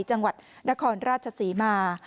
จังหวัดนครราชศรีมา